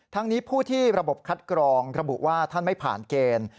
ทั้งนี้ผู้ที่ระบบคัดกรองระบุว่าท่านไม่ผ่านเกณฑ์